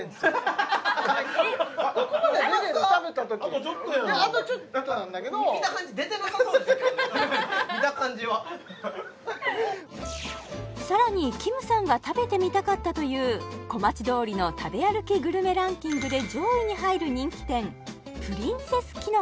あとちょっとやんあとちょっとなんだけど見た感じはさらにきむさんが食べてみたかったという小町通りの食べ歩きグルメランキングで上位に入る人気店